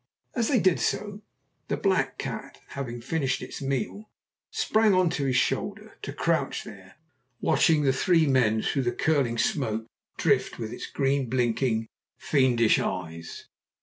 As they did so, the black cat, having finished its meal, sprang on to his shoulder to crouch there, watching the three men through the curling smoke drift with its green blinking, fiendish eyes.